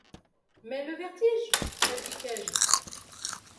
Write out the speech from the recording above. Mais, le vertige ? répliquai-je.